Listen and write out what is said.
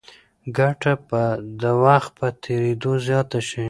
ګټه به د وخت په تېرېدو زیاته شي.